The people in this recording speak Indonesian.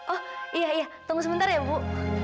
oh iya iya tunggu sebentar ya bu